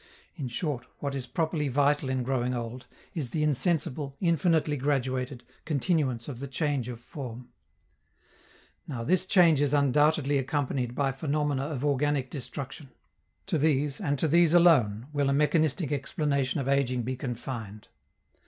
In short, what is properly vital in growing old is the insensible, infinitely graduated, continuance of the change of form. Now, this change is undoubtedly accompanied by phenomena of organic destruction: to these, and to these alone, will a mechanistic explanation of ageing be confined.